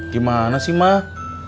gimana sih mak